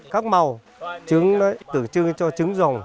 các màu trứng tử trưng cho trứng rồng